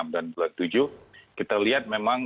dan bulan tujuh kita lihat memang